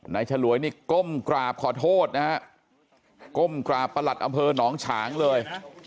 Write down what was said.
ฉลวยนี่ก้มกราบขอโทษนะฮะก้มกราบประหลัดอำเภอหนองฉางเลย